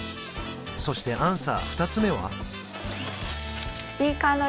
そしてアンサー２つ目は？